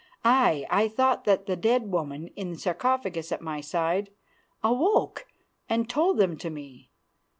Aye, I thought that the dead woman in the sarcophagus at my side awoke and told them to me.